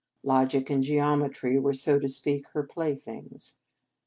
Logic and geometry were, so to speak, her playthings.